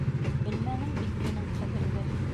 Белмәнең бит минең ҡәҙерҙе!